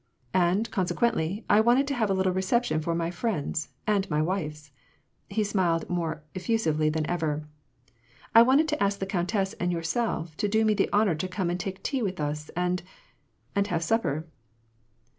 " And, consequently, I wanted to have a little reception for my friends and my wife^s." He smiled more effusively than ever. " I wanted to ask the countess and yourself to do me the honor to come and take tea with us, and — and have supper."